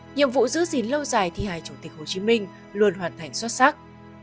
nhiệm vụ giữ gìn lâu dài thi hài chủ tịch hồ chí minh luôn hoàn thành xuất sắc